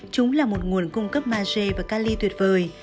chúng là một nguồn cung cấp maj và cali tuyệt vời